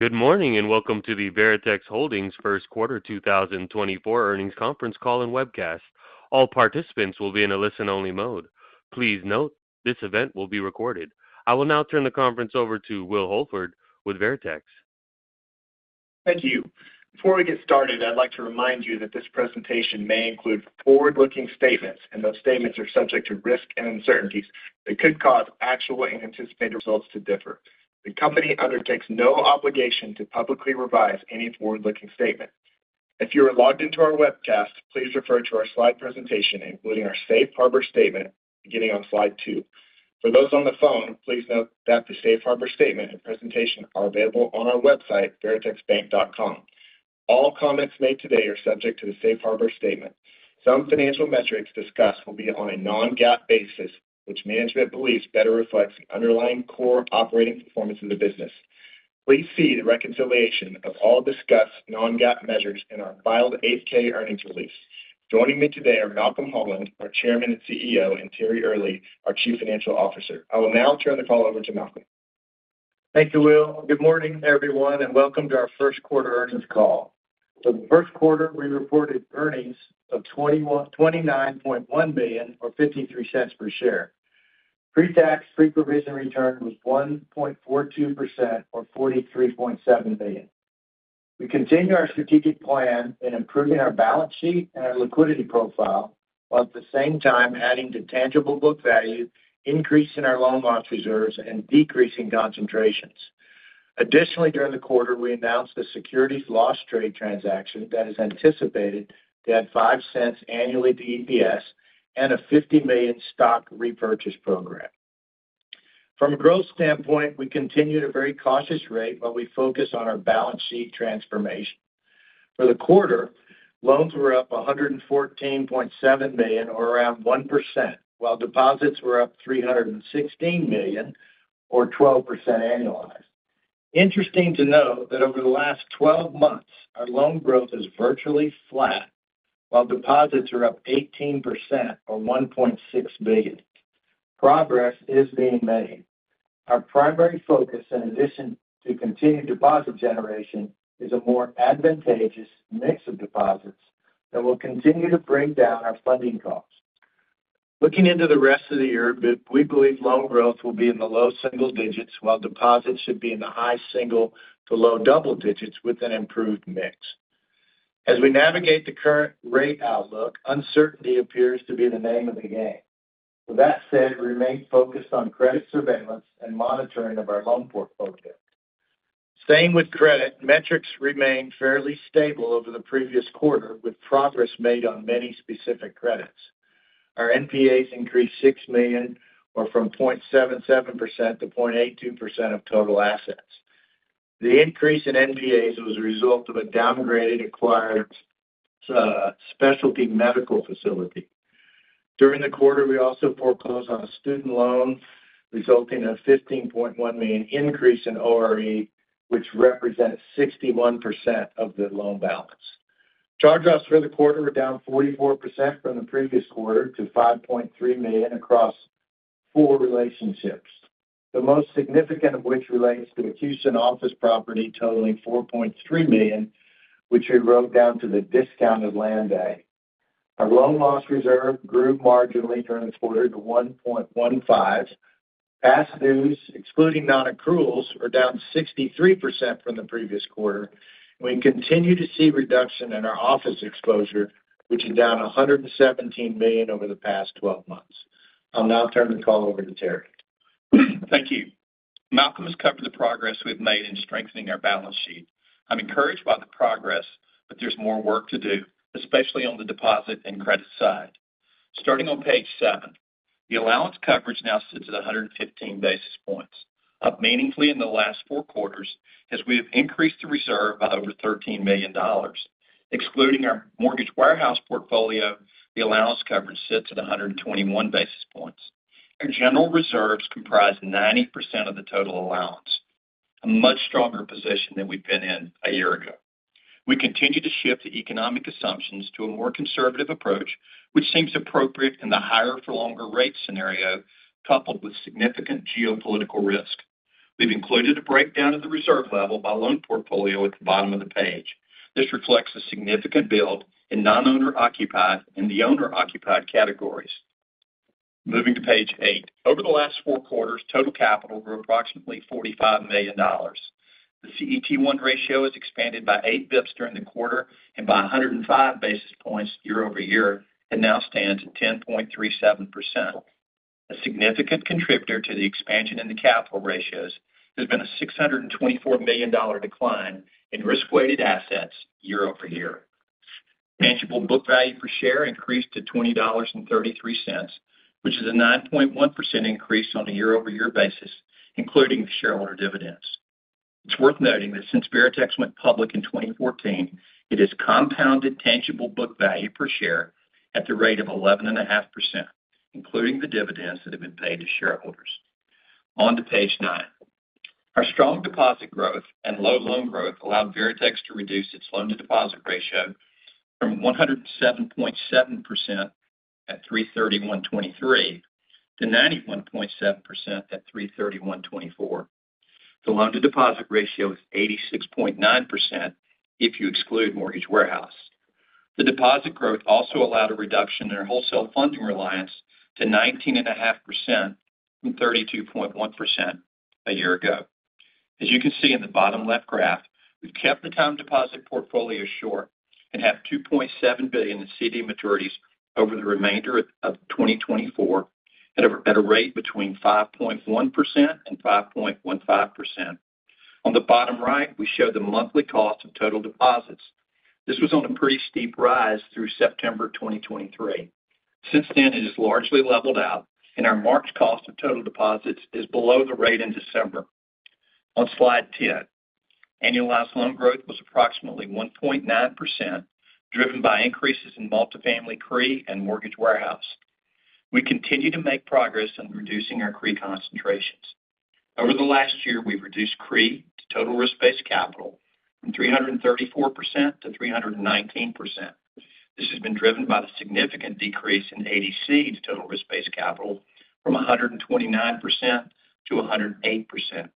Good morning and welcome to the Veritex Holdings first quarter 2024 earnings conference call and webcast. All participants will be in a listen-only mode. Please note, this event will be recorded. I will now turn the conference over to Will Holford with Veritex. Thank you. Before we get started, I'd like to remind you that this presentation may include forward-looking statements, and those statements are subject to risk and uncertainties that could cause actual and anticipated results to differ. The company undertakes no obligation to publicly revise any forward-looking statement. If you are logged into our webcast, please refer to our slide presentation, including our Safe Harbor Statement, beginning on slide two. For those on the phone, please note that the Safe Harbor Statement and presentation are available on our website, veritexbank.com. All comments made today are subject to the Safe Harbor Statement. Some financial metrics discussed will be on a non-GAAP basis, which management believes better reflects the underlying core operating performance of the business. Please see the reconciliation of all discussed non-GAAP measures in our filed 8-K earnings release. Joining me today are Malcolm Holland, our Chairman and CEO, and Terry Earley, our Chief Financial Officer. I will now turn the call over to Malcolm. Thank you, Will. Good morning, everyone, and welcome to our first quarter earnings call. For the first quarter, we reported earnings of $29.1 million or $0.53 per share. Pre-tax, pre-provision return was 1.42% or $43.7 million. We continue our strategic plan in improving our balance sheet and our liquidity profile, while at the same time adding to tangible book value, increasing our loan loss reserves, and decreasing concentrations. Additionally, during the quarter, we announced a securities loss trade transaction that is anticipated to add $0.05 annually to EPS and a $50 million stock repurchase program. From a growth standpoint, we continue at a very cautious rate while we focus on our balance sheet transformation. For the quarter, loans were up $114.7 million or around 1%, while deposits were up $316 million or 12% annualized. Interesting to note that over the last 12 months, our loan growth is virtually flat, while deposits are up 18% or $1.6 billion. Progress is being made. Our primary focus, in addition to continued deposit generation, is a more advantageous mix of deposits that will continue to bring down our funding costs. Looking into the rest of the year, we believe loan growth will be in the low single digits, while deposits should be in the high single to low double digits with an improved mix. As we navigate the current rate outlook, uncertainty appears to be the name of the game. With that said, we remain focused on credit surveillance and monitoring of our loan portfolio. Staying with credit, metrics remain fairly stable over the previous quarter, with progress made on many specific credits. Our NPAs increased $6 million or, from 0.77% to 0.82%, of total assets. The increase in NPAs was a result of a downgraded acquired specialty medical facility. During the quarter, we also foreclosed on a student loan, resulting in a $15.1 million increase in ORE, which represents 61% of the loan balance. Charge-offs for the quarter were down 44% from the previous quarter to $5.3 million across four relationships, the most significant of which relates to a Houston office property totaling $4.3 million, which we wrote down to the discounted land value. Our loan loss reserve grew marginally during the quarter to $1.15. Past dues, excluding non-accruals, were down 63% from the previous quarter. We continue to see reduction in our office exposure, which is down $117 million over the past 12 months. I'll now turn the call over to Terry. Thank you. Malcolm has covered the progress we've made in strengthening our balance sheet. I'm encouraged by the progress, but there's more work to do, especially on the deposit and credit side. Starting on page 7, the allowance coverage now sits at 115 basis points, up meaningfully in the last four quarters as we have increased the reserve by over $13 million. Excluding our mortgage warehouse portfolio, the allowance coverage sits at 121 basis points. Our general reserves comprise 90% of the total allowance, a much stronger position than we've been in a year ago. We continue to shift economic assumptions to a more conservative approach, which seems appropriate in the higher-for-longer rate scenario coupled with significant geopolitical risk. We've included a breakdown of the reserve level by loan portfolio at the bottom of the page. This reflects a significant build in non-owner occupied and the owner occupied categories. Moving to page eight, over the last four quarters, total capital grew approximately $45 million. The CET1 ratio has expanded by 8 bps during the quarter and by 105 basis points year over year, and now stands at 10.37%, a significant contributor to the expansion in the capital ratios. There's been a $624 million decline in risk-weighted assets year over year. Tangible book value per share increased to $20.33, which is a 9.1% increase on a year-over-year basis, including shareholder dividends. It's worth noting that since Veritex went public in 2014, it has compounded tangible book value per share at the rate of 11.5%, including the dividends that have been paid to shareholders. On to page nine. Our strong deposit growth and low loan growth allowed Veritex to reduce its loan-to-deposit ratio from 107.7% at 3/31/2023 to 91.7% at 3/31/2024. The loan-to-deposit ratio is 86.9% if you exclude mortgage warehouse. The deposit growth also allowed a reduction in our wholesale funding reliance to 19.5% from 32.1% a year ago. As you can see in the bottom left graph, we've kept the time deposit portfolio short and have $2.7 billion in CD maturities over the remainder of 2024 at a rate between 5.1%-5.15%. On the bottom right, we show the monthly cost of total deposits. This was on a pretty steep rise through September 2023. Since then, it has largely leveled out, and our March cost of total deposits is below the rate in December. On slide 10, annualized loan growth was approximately 1.9%, driven by increases in multifamily CRE and mortgage warehouse. We continue to make progress on reducing our CRE concentrations. Over the last year, we've reduced CRE to total risk-based capital from 334%-319%. This has been driven by the significant decrease in ADC to total risk-based capital from 129% to 108%.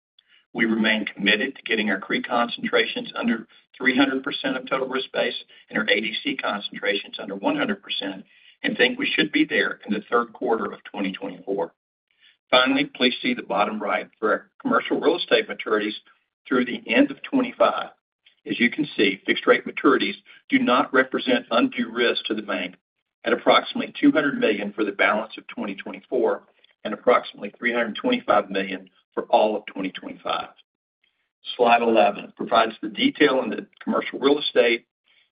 We remain committed to getting our CRE concentrations under 300% of total risk base and our ADC concentrations under 100% and think we should be there in the third quarter of 2024. Finally, please see the bottom right for our commercial real estate maturities through the end of 2025. As you can see, fixed-rate maturities do not represent undue risk to the bank at approximately $200 million for the balance of 2024 and approximately $325 million for all of 2025. Slide 11 provides the detail in the commercial real estate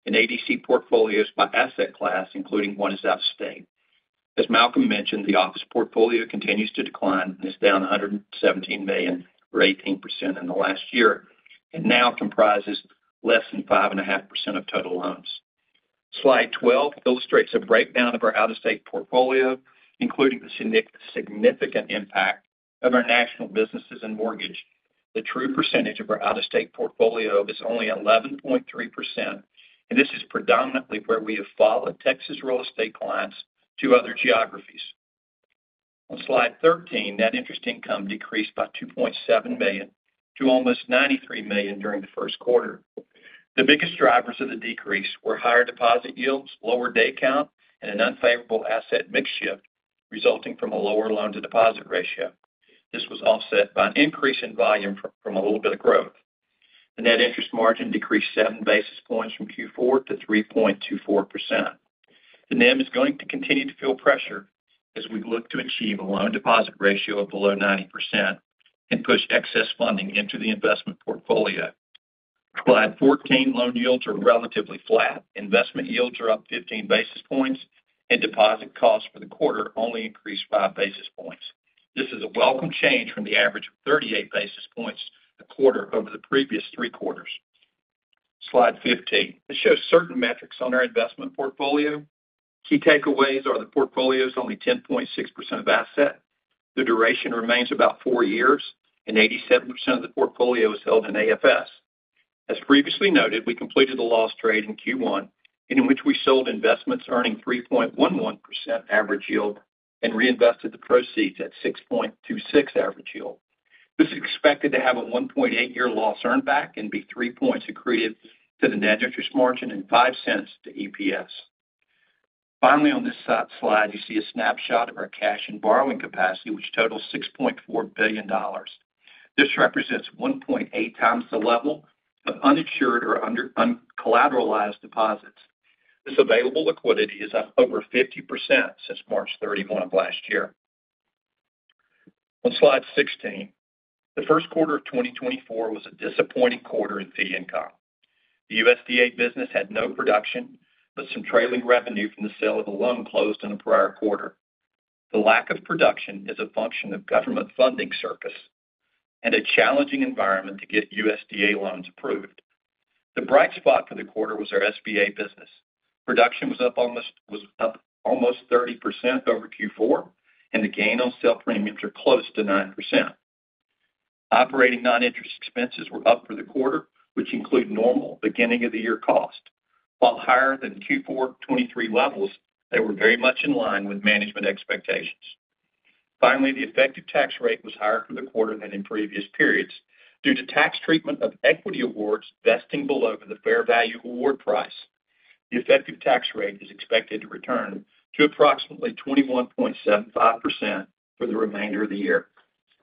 and ADC portfolios by asset class, including one is out of state. As Malcolm mentioned, the office portfolio continues to decline and is down $117 million or 18% in the last year and now comprises less than 5.5% of total loans. Slide 12 illustrates a breakdown of our out-of-state portfolio, including the significant impact of our national businesses and mortgage. The true percentage of our out-of-state portfolio is only 11.3%, and this is predominantly where we have followed Texas real estate clients to other geographies. On slide 13, net interest income decreased by $2.7 million to almost $93 million during the first quarter. The biggest drivers of the decrease were higher deposit yields, lower day count, and an unfavorable asset mix shift resulting from a lower loan-to-deposit ratio. This was offset by an increase in volume from a little bit of growth. The net interest margin decreased seven basis points from Q4 to 3.24%. The NIM is going to continue to feel pressure as we look to achieve a loan-deposit ratio of below 90% and push excess funding into the investment portfolio. Slide 14, loan yields are relatively flat. Investment yields are up 15 basis points, and deposit costs for the quarter only increased 5 basis points. This is a welcome change from the average of 38 basis points a quarter over the previous three quarters. Slide 15. This shows certain metrics on our investment portfolio. Key takeaways are the portfolio's only 10.6% of assets. The duration remains about 4 years, and 87% of the portfolio is held in AFS. As previously noted, we completed a loss trade in Q1 in which we sold investments earning 3.11% average yield and reinvested the proceeds at 6.26% average yield. This is expected to have a 1.8-year loss earned back and be 3 points accrued to the net interest margin and $0.05 to EPS. Finally, on this slide, you see a snapshot of our cash and borrowing capacity, which totals $6.4 billion. This represents 1.8 times the level of uninsured or uncollateralized deposits. This available liquidity is up over 50% since March 31 of last year. On slide 16, the first quarter of 2024 was a disappointing quarter in fee income. The USDA business had no production but some trailing revenue from the sale of a loan closed in a prior quarter. The lack of production is a function of government funding surplus and a challenging environment to get USDA loans approved. The bright spot for the quarter was our SBA business. Production was up almost 30% over Q4, and the gain on sale premiums are close to 9%. Operating non-interest expenses were up for the quarter, which include normal beginning-of-the-year costs. While higher than Q4 2023 levels, they were very much in line with management expectations. Finally, the effective tax rate was higher for the quarter than in previous periods due to tax treatment of equity awards vesting below the fair value award price. The effective tax rate is expected to return to approximately 21.75% for the remainder of the year.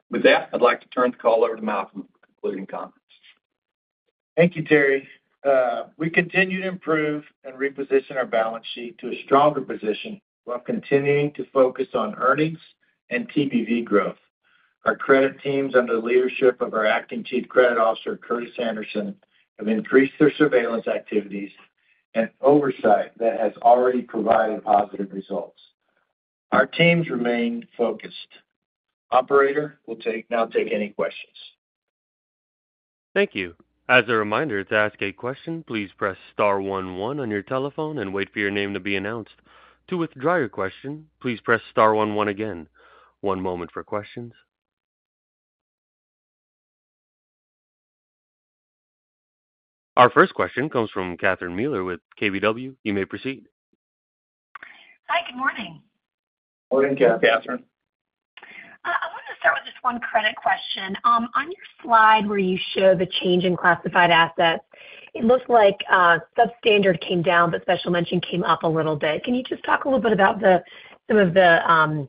With that, I'd like to turn the call over to Malcolm for concluding comments. Thank you, Terry. We continue to improve and reposition our balance sheet to a stronger position while continuing to focus on earnings and TBV growth. Our credit teams under the leadership of our acting Chief Credit Officer, Curtis Anderson, have increased their surveillance activities and oversight that has already provided positive results. Our teams remain focused. Operator, we'll now take any questions. Thank you. As a reminder, to ask a question, please press star 11 on your telephone and wait for your name to be announced. To withdraw your question, please press star 11 again. One moment for questions. Our first question comes from Catherine Mealor with KBW. You may proceed. Hi. Good morning. Morning, Catherine. I wanted to start with just one credit question. On your slide where you show the change in classified assets, it looks like substandard came down, but special mention came up a little bit. Can you just talk a little bit about some of the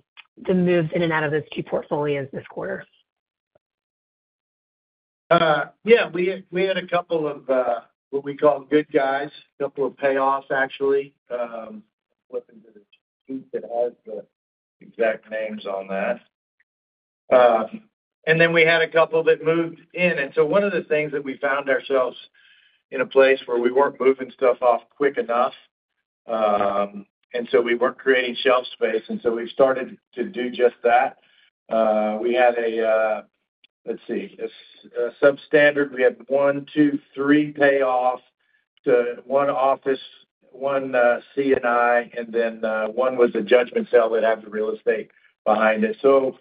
moves in and out of those two portfolios this quarter? Yeah. We had a couple of what we call good guys, a couple of payoffs, actually. I'm flipping to the sheet that has the exact names on that. And then we had a couple that moved in. And so one of the things that we found ourselves in a place where we weren't moving stuff off quick enough, and so we weren't creating shelf space. And so we've started to do just that. We had a, let's see. Substandard, we had one, two, three payoffs: one office, one C&I, and then one was a judgment sale that had the real estate behind it. So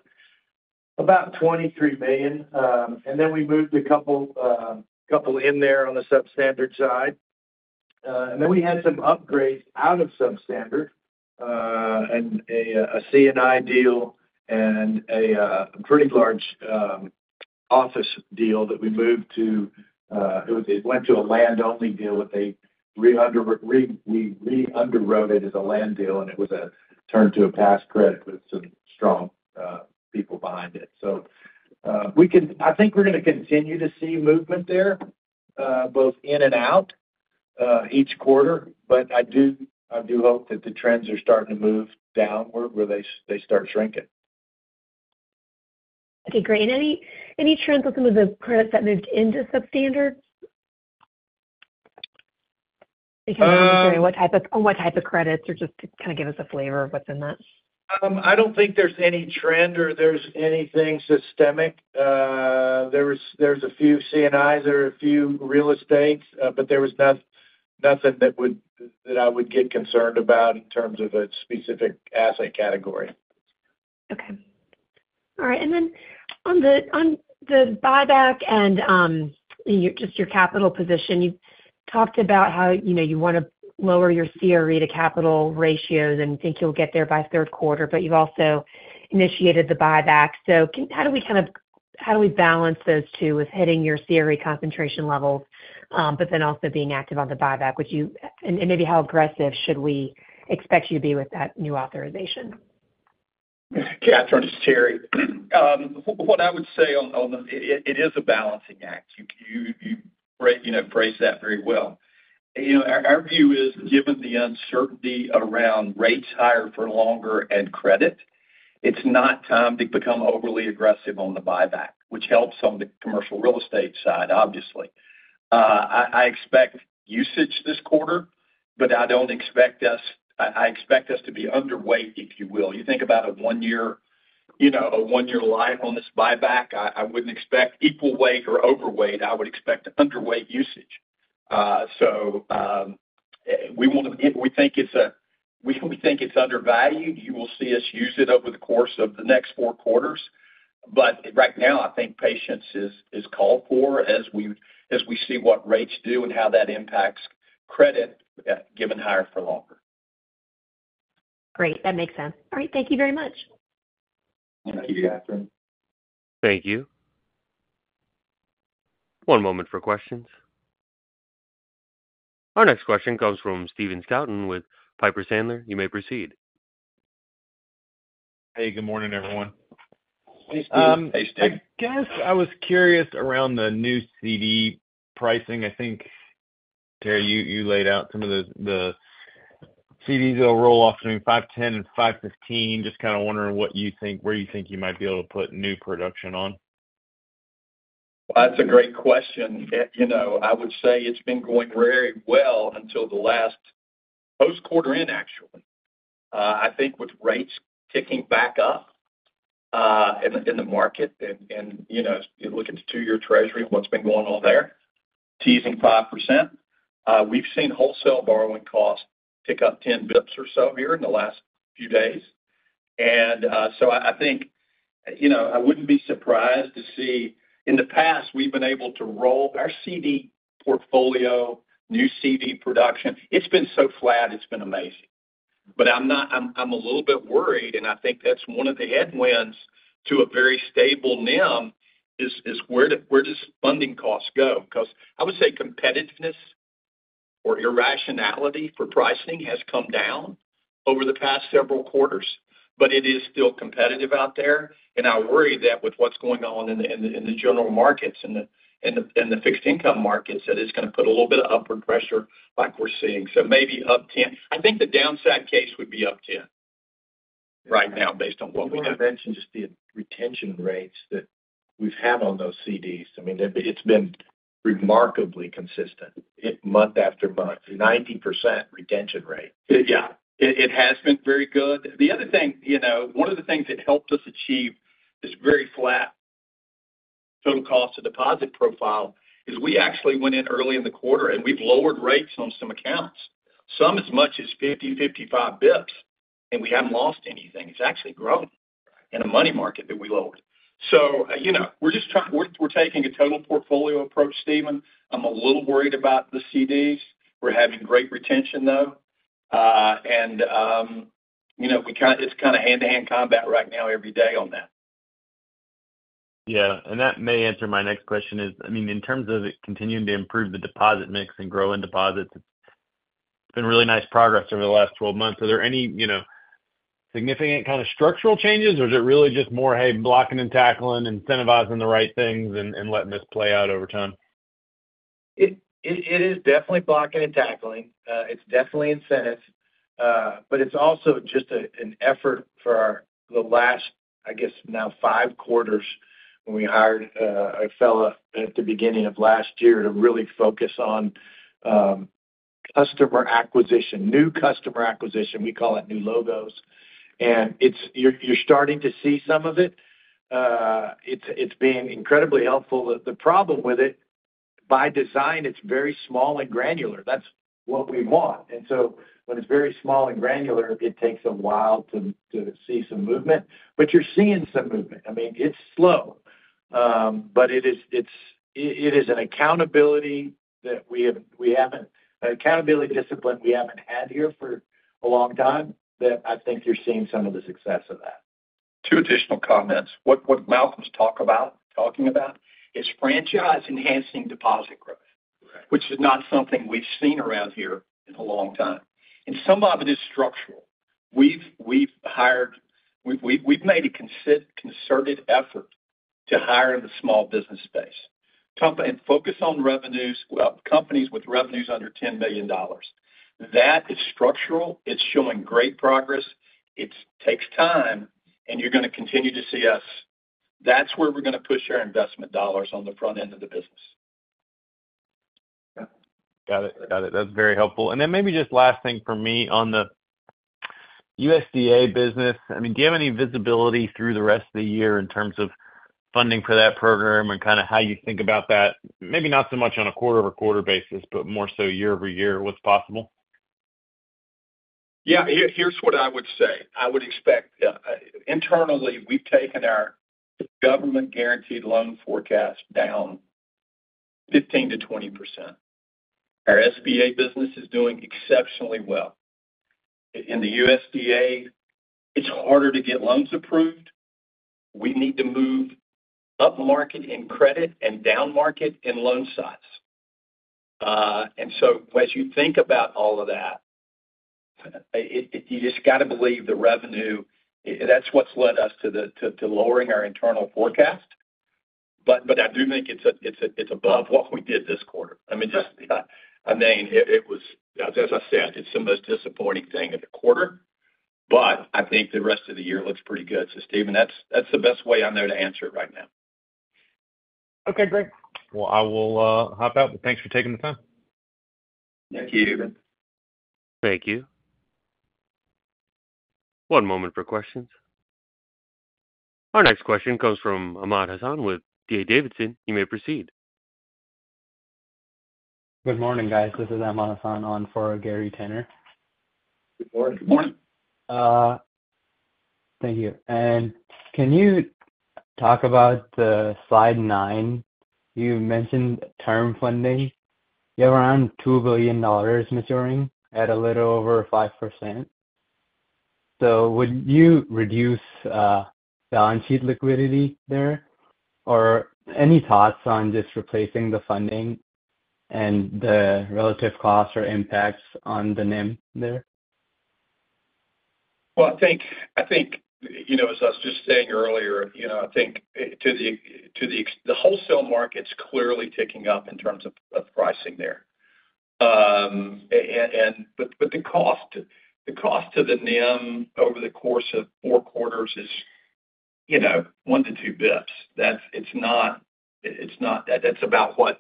about $23 million. And then we moved a couple in there on the substandard side. We had some upgrades out of substandard and a C&I deal and a pretty large office deal that we moved to it went to a land-only deal, but we reunderwrote it as a land deal, and it turned to a pass credit with some strong people behind it. I think we're going to continue to see movement there both in and out each quarter, but I do hope that the trends are starting to move downward where they start shrinking. Okay. Great. Any trends with some of the credits that moved into substandard? Because I'm just wondering what type of on what type of credits or just to kind of give us a flavor of what's in that. I don't think there's any trend or there's anything systemic. There's a few C&Is or a few real estates, but there was nothing that I would get concerned about in terms of a specific asset category. Okay. All right. And then on the buyback and just your capital position, you talked about how you want to lower your CRE to capital ratios and think you'll get there by third quarter, but you've also initiated the buyback. So how do we kind of balance those two with hitting your CRE concentration levels but then also being active on the buyback? And maybe how aggressive should we expect you to be with that new authorization? Catherine, it's Terry. What I would say on it is a balancing act. You phrased that very well. Our view is, given the uncertainty around rates higher for longer and credit, it's not time to become overly aggressive on the buyback, which helps on the commercial real estate side, obviously. I expect usage this quarter, but I don't expect us to be underweight, if you will. You think about a one-year life on this buyback, I wouldn't expect equal weight or overweight. I would expect underweight usage. So we want to. We think it's undervalued. You will see us use it over the course of the next four quarters. But right now, I think patience is called for as we see what rates do and how that impacts credit given higher for longer. Great. That makes sense. All right. Thank you very much. Thank you, Catherine. Thank you. One moment for questions. Our next question comes from Stephen Scouten with Piper Sandler. You may proceed. Hey. Good morning, everyone. Hey, Steve. I guess I was curious around the new CD pricing. I think, Terry, you laid out some of the CDs that'll roll off between 5.10 and 5.15. Just kind of wondering where you think you might be able to put new production on. Well, that's a great question. I would say it's been going very well until the last post-quarter end, actually. I think with rates ticking back up in the market and looking at the two-year treasury and what's been going on there. Teasing 5%. We've seen wholesale borrowing costs pick up 10 basis points or so here in the last few days. And so I think I wouldn't be surprised to see in the past, we've been able to roll our CD portfolio, new CD production. It's been so flat. It's been amazing. But I'm a little bit worried, and I think that's one of the headwinds to a very stable NIM is where does funding cost go? Because I would say competitiveness or irrationality for pricing has come down over the past several quarters, but it is still competitive out there. I worry that with what's going on in the general markets and the fixed income markets that it's going to put a little bit of upward pressure like we're seeing. So maybe up 10. I think the downside case would be up 10 right now based on what we have. You mentioned just the retention rates that we've had on those CDs. I mean, it's been remarkably consistent month after month, 90% retention rate. Yeah. It has been very good. The other thing, one of the things that helped us achieve this very flat total cost of deposit profile is we actually went in early in the quarter, and we've lowered rates on some accounts, some as much as 50, 55 basis points, and we haven't lost anything. It's actually grown in a money market that we lowered. So we're just trying, we're taking a total portfolio approach, Stephen. I'm a little worried about the CDs. We're having great retention, though. It's kind of hand-to-hand combat right now every day on that. Yeah. And that may answer my next question, I mean, in terms of continuing to improve the deposit mix and grow in deposits, it's been really nice progress over the last 12 months. Are there any significant kind of structural changes, or is it really just more, "Hey, blocking and tackling, incentivizing the right things, and letting this play out over time"? It is definitely blocking and tackling. It's definitely incentives. But it's also just an effort for the last, I guess, now 5 quarters when we hired a fellow at the beginning of last year to really focus on customer acquisition, new customer acquisition. We call it new logos. And you're starting to see some of it. It's being incredibly helpful. The problem with it, by design, it's very small and granular. That's what we want. And so when it's very small and granular, it takes a while to see some movement. But you're seeing some movement. I mean, it's slow, but it is an accountability that we haven't an accountability discipline we haven't had here for a long time that I think you're seeing some of the success of that. Two additional comments. What Malcolm's talking about is franchise-enhancing deposit growth, which is not something we've seen around here in a long time. Some of it is structural. We've made a concerted effort to hire in the small business space and focus on revenues well, companies with revenues under $10 million. That is structural. It's showing great progress. It takes time, and you're going to continue to see us. That's where we're going to push our investment dollars on the front end of the business. Got it. Got it. That's very helpful. And then maybe just last thing for me on the USDA business. I mean, do you have any visibility through the rest of the year in terms of funding for that program and kind of how you think about that? Maybe not so much on a quarter-over-quarter basis, but more so year-over-year, what's possible? Yeah. Here's what I would say. Internally, we've taken our government-guaranteed loan forecast down 15%-20%. Our SBA business is doing exceptionally well. In the USDA, it's harder to get loans approved. We need to move up market in credit and down market in loan size. And so as you think about all of that, you just got to believe the revenue that's what's led us to lowering our internal forecast. But I do think it's above what we did this quarter. I mean, I mean, as I said, it's the most disappointing thing of the quarter. But I think the rest of the year looks pretty good. So, Stephen, that's the best way I know to answer it right now. Okay. Great. Well, I will hop out, but thanks for taking the time. Thank you, Stephen. Thank you. One moment for questions. Our next question comes from Ahmad Hasan with D.A. Davidson. You may proceed. Good morning, guys. This is Ahmad Hasan on for Gary Tenner. Good morning. Thank you. Can you talk about Slide 9? You mentioned term funding. You have around $2 billion maturing at a little over 5%. Would you reduce balance sheet liquidity there or any thoughts on just replacing the funding and the relative costs or impacts on the NIM there? Well, I think as I was just saying earlier, I think to the wholesale market's clearly ticking up in terms of pricing there. But the cost to the NIM over the course of four quarters is 1-2 bps. It's not, that's about what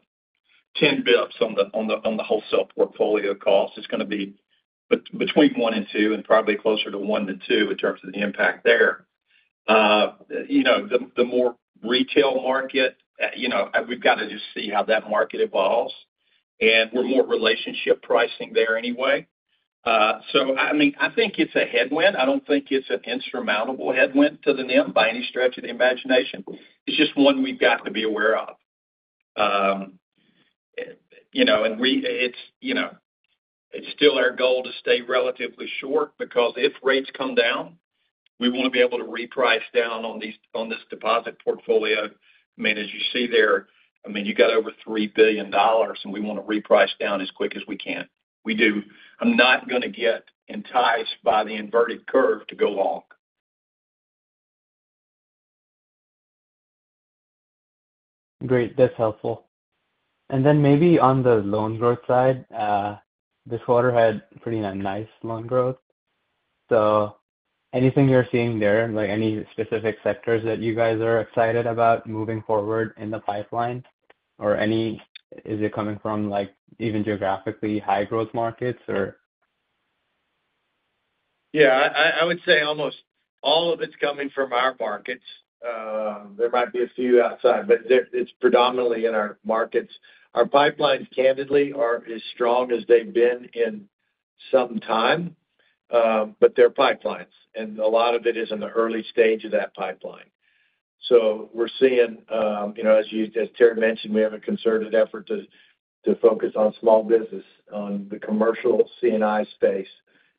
10 bps on the wholesale portfolio cost. It's going to be between 1 and 2 and probably closer to 1-2 in terms of the impact there. The more retail market, we've got to just see how that market evolves. And we're more relationship pricing there anyway. So, I mean, I think it's a headwind. I don't think it's an insurmountable headwind to the NIM by any stretch of the imagination. It's just one we've got to be aware of. It's still our goal to stay relatively short because if rates come down, we want to be able to reprice down on this deposit portfolio. I mean, as you see there, I mean, you got over $3 billion, and we want to reprice down as quick as we can. I'm not going to get enticed by the inverted curve to go long. Great. That's helpful. And then maybe on the loan growth side, this quarter had pretty nice loan growth. So anything you're seeing there, any specific sectors that you guys are excited about moving forward in the pipeline, or is it coming from even geographically high-growth markets, or? Yeah. I would say almost all of it's coming from our markets. There might be a few outside, but it's predominantly in our markets. Our pipelines, candidly, are as strong as they've been in some time, but they're pipelines. A lot of it is in the early stage of that pipeline. We're seeing as Terry mentioned, we have a concerted effort to focus on small business, on the commercial C&I space.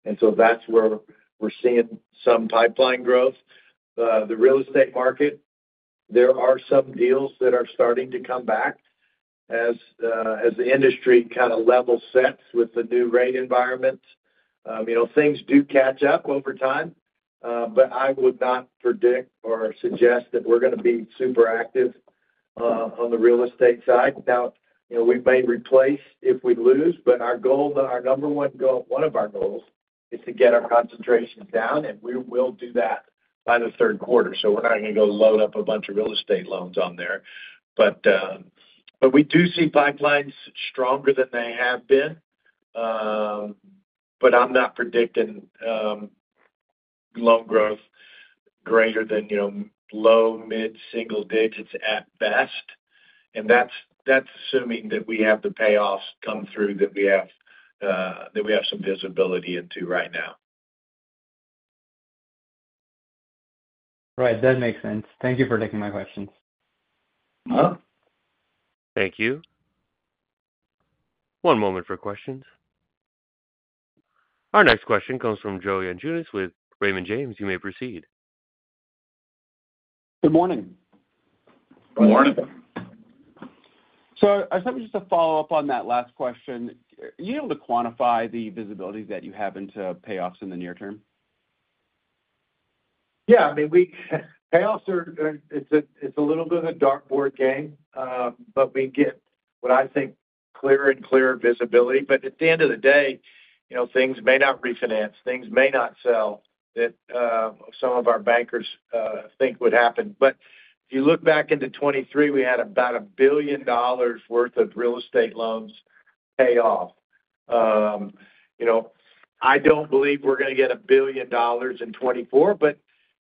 That's where we're seeing some pipeline growth. The real estate market, there are some deals that are starting to come back as the industry kind of level sets with the new rate environment. Things do catch up over time, but I would not predict or suggest that we're going to be super active on the real estate side. Now, we may replace if we lose, but our goal our number one goal one of our goals is to get our concentrations down, and we will do that by the third quarter. So we're not going to go load up a bunch of real estate loans on there. But we do see pipelines stronger than they have been, but I'm not predicting loan growth greater than low, mid, single digits at best. And that's assuming that we have the payoffs come through that we have some visibility into right now. Right. That makes sense. Thank you for taking my questions. Thank you. One moment for questions. Our next question comes from Joe Yanchunis with Raymond James. You may proceed. Good morning. Good morning. I just have to follow up on that last question. Are you able to quantify the visibility that you have into payoffs in the near term? Yeah. I mean, payoffs are, it's a little bit of a dartboard game, but we get what I think clearer and clearer visibility. But at the end of the day, things may not refinance. Things may not sell that some of our bankers think would happen. But if you look back into 2023, we had about $1 billion worth of real estate loans pay off. I don't believe we're going to get $1 billion in 2024, but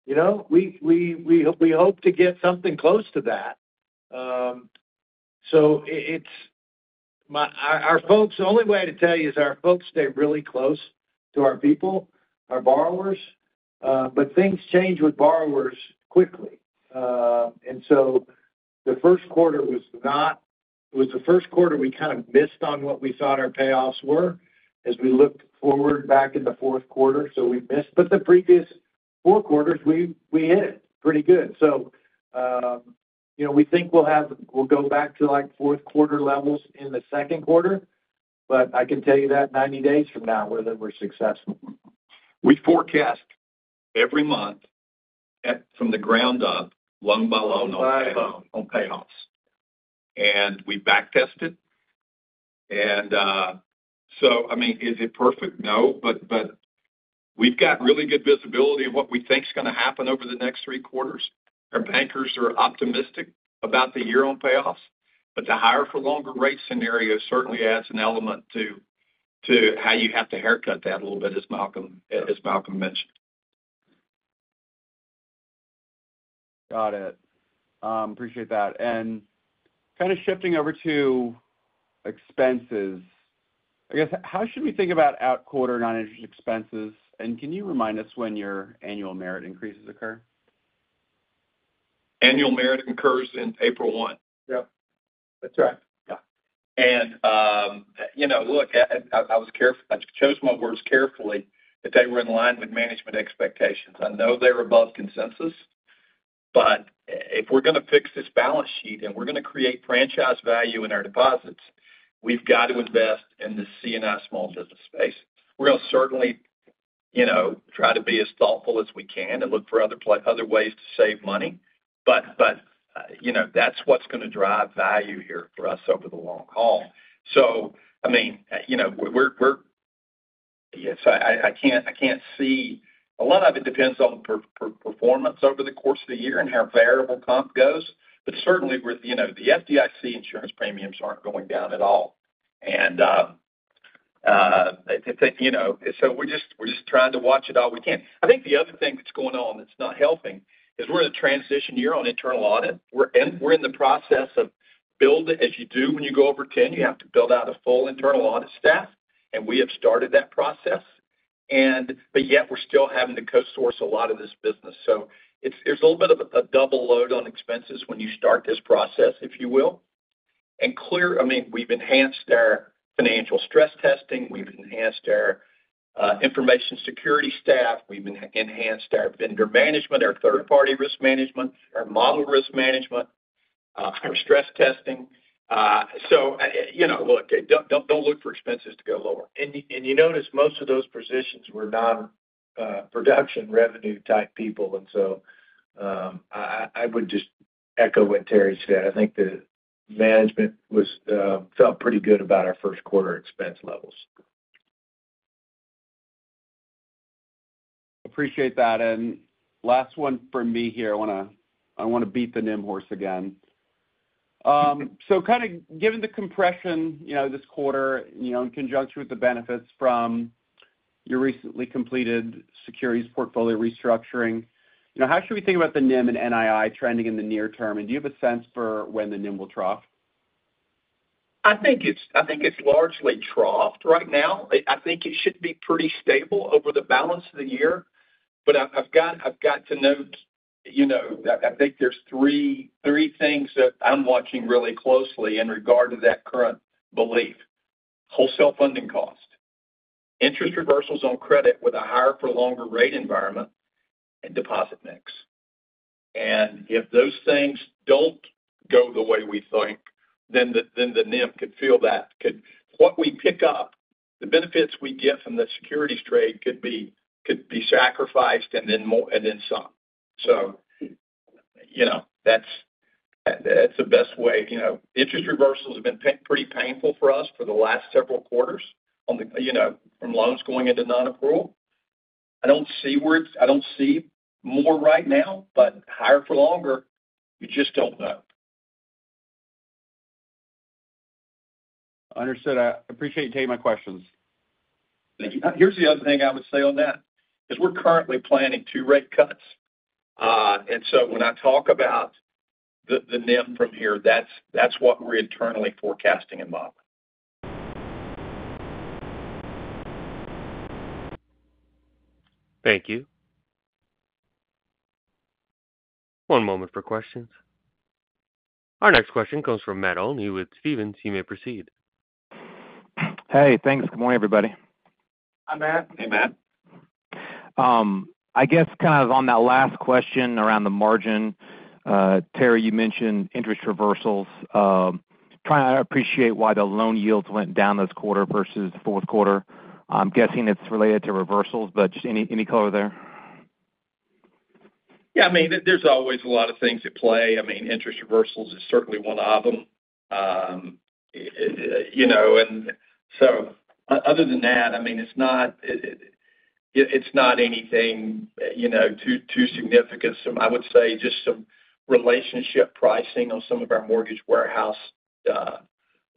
we hope to get something close to that. So, our folks, the only way to tell you is our folks stay really close to our people, our borrowers. But things change with borrowers quickly. And so, the first quarter was not. It was the first quarter we kind of missed on what we thought our payoffs were as we looked forward back in the fourth quarter. So we missed. The previous four quarters, we hit it pretty good. We think we'll go back to fourth-quarter levels in the second quarter. I can tell you that 90 days from now whether we're successful. We forecast every month from the ground up, loan by loan, on payoffs. And we backtest it. And so, I mean, is it perfect? No, but we've got really good visibility of what we think's going to happen over the next three quarters. Our bankers are optimistic about the year-on payoffs. But the higher-for-longer rate scenario certainly adds an element to how you have to haircut that a little bit, as Malcolm mentioned. Got it. Appreciate that. Kind of shifting over to expenses, I guess, how should we think about out-quarter non-interest expenses? Can you remind us when your annual merit increases occur? Annual merit increases in April 1. Yep. That's right. Yeah. And look, I chose my words carefully that they were in line with management expectations. I know they're above consensus, but if we're going to fix this balance sheet and we're going to create franchise value in our deposits, we've got to invest in the C&I small business space. We're going to certainly try to be as thoughtful as we can and look for other ways to save money. But that's what's going to drive value here for us over the long haul. So, I mean, yes, I can't see. A lot of it depends on performance over the course of the year and how variable comp goes. But certainly, the FDIC insurance premiums aren't going down at all. And so we're just trying to watch it all we can. I think the other thing that's going on that's not helping is we're in a transition year on internal audit. We're in the process of building as you do when you go over 10; you have to build out a full internal audit staff. We have started that process. But yet, we're still having to co-source a lot of this business. So there's a little bit of a double load on expenses when you start this process, if you will. And clearly, I mean, we've enhanced our financial stress testing. We've enhanced our information security staff. We've enhanced our vendor management, our third-party risk management, our model risk management, our stress testing. So look, don't look for expenses to go lower. And you notice most of those positions were non-production revenue-type people. And so I would just echo what Terry said. I think the management felt pretty good about our first-quarter expense levels. Appreciate that. Last one from me here. I want to beat the NIM horse again. So kind of given the compression this quarter in conjunction with the benefits from your recently completed securities portfolio restructuring, how should we think about the NIM and NII trending in the near term? And do you have a sense for when the NIM will trough? I think it's largely troughed right now. I think it should be pretty stable over the balance of the year. But I've got to note I think there's three things that I'm watching really closely in regard to that current belief: wholesale funding cost, interest reversals on credit with a higher-for-longer rate environment, and deposit mix. And if those things don't go the way we think, then the NIM could feel that. What we pick up, the benefits we get from the securities trade could be sacrificed and then some. So that's the best way. Interest reversals have been pretty painful for us for the last several quarters from loans going into non-accrual. I don't see more right now, but higher for longer, you just don't know. Understood. I appreciate you taking my questions. Thank you. Here's the other thing I would say on that is we're currently planning 2 rate cuts. And so when I talk about the NIM from here, that's what we're internally forecasting and modeling. Thank you. One moment for questions. Our next question comes from Matt Olney. He's with Stephens. You may proceed. Hey. Thanks. Good morning, everybody. Hi, Matt. Hey, Matt. I guess kind of on that last question around the margin, Terry, you mentioned interest reversals. I appreciate why the loan yields went down this quarter versus fourth quarter. I'm guessing it's related to reversals, but just any color there? Yeah. I mean, there's always a lot of things at play. I mean, interest reversals is certainly one of them. And so other than that, I mean, it's not anything too significant. I would say just some relationship pricing on some of our mortgage warehouse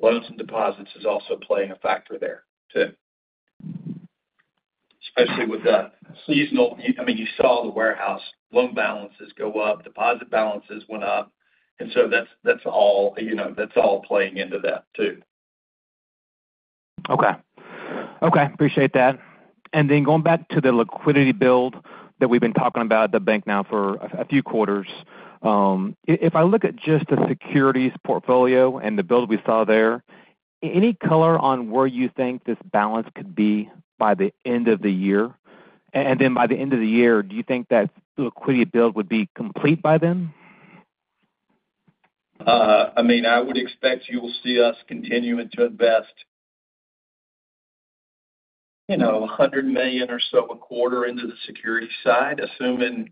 loans and deposits is also playing a factor there too, especially with the seasonal. I mean, you saw the warehouse loan balances go up. Deposit balances went up. And so that's all playing into that too. Okay. Okay. Appreciate that. And then going back to the liquidity build that we've been talking about at the bank now for a few quarters, if I look at just the securities portfolio and the build we saw there, any color on where you think this balance could be by the end of the year? And then by the end of the year, do you think that liquidity build would be complete by then? I mean, I would expect you'll see us continue to invest $100 million or so a quarter into the securities side, assuming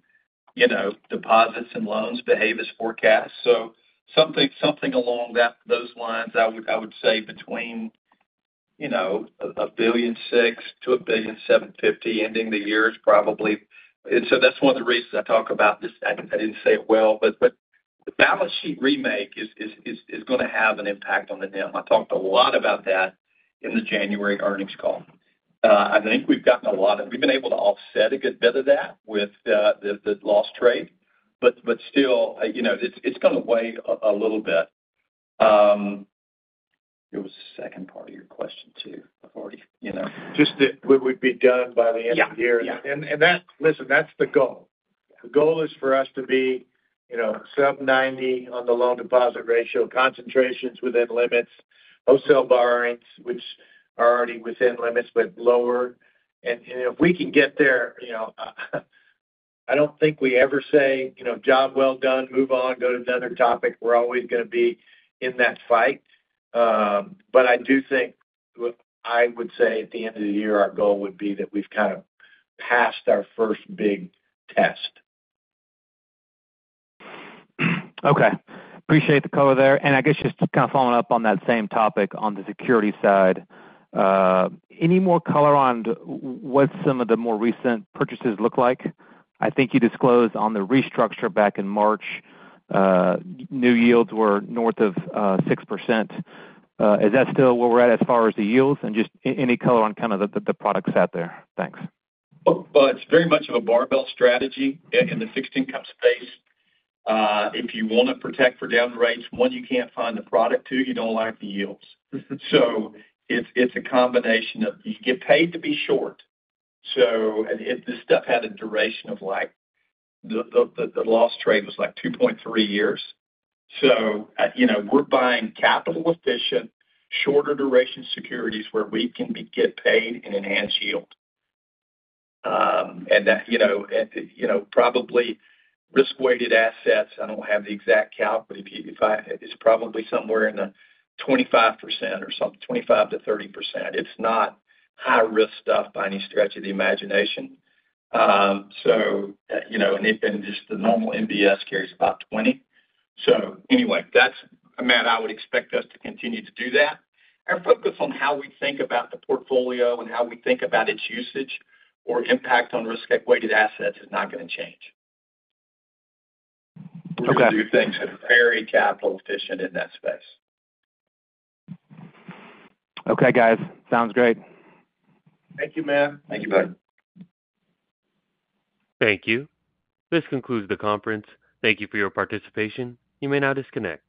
deposits and loans behave as forecast. So something along those lines, I would say, between $1.6 billion-$1.75 billion ending the year is probably, and so that's one of the reasons I talk about this. I didn't say it well, but the balance sheet remake is going to have an impact on the NIM. I talked a lot about that in the January earnings call. I think we've gotten a lot of—we've been able to offset a good bit of that with the loss trade, but still, it's going to weigh a little bit. It was the second part of your question too. I've already. Just that we would be done by the end of the year. And listen, that's the goal. The goal is for us to be sub-90 on the loan-to-deposit ratio, concentrations within limits, wholesale borrowings, which are already within limits but lower. And if we can get there I don't think we ever say, "Job well done. Move on. Go to another topic." We're always going to be in that fight. But I do think I would say at the end of the year, our goal would be that we've kind of passed our first big test. Okay. Appreciate the color there. And I guess just kind of following up on that same topic on the securities side, any more color on what some of the more recent purchases look like? I think you disclosed on the restructure back in March, new yields were north of 6%. Is that still where we're at as far as the yields? And just any color on kind of the products out there. Thanks. Well, it's very much of a barbell strategy in the fixed income space. If you want to protect for down rates, one, you can't find the product; two, you don't like the yields. So it's a combination of you get paid to be short. So if this stuff had a duration of the loss trade was like 2.3 years. So we're buying capital-efficient, shorter-duration securities where we can get paid and enhance yield. And that probably risk-weighted assets I don't have the exact count, but it's probably somewhere in the 25% or something, 25%-30%. It's not high-risk stuff by any stretch of the imagination. And even just the normal MBS carries about 20%. So anyway, Matt, I would expect us to continue to do that. Our focus on how we think about the portfolio and how we think about its usage or impact on risk-weighted assets is not going to change. We're going to do things that are very capital-efficient in that space. Okay, guys. Sounds great. Thank you, Matt. Thank you, buddy. Thank you. This concludes the conference. Thank you for your participation. You may now disconnect.